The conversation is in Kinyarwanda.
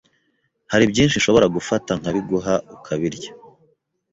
hari byinshi nshobora gufata nkabiguha ukabirya